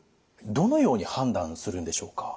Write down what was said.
どのように判断するんでしょうか？